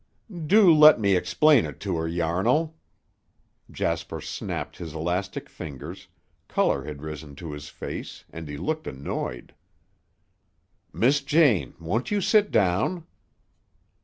"Do let me explain it to her, Yarnall!" Jasper snapped his elastic fingers, color had risen to his face, and he looked annoyed. "Miss Jane, won't you sit down?"